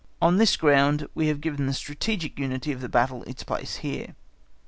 On this ground we have given the strategic unity of the battle its place here.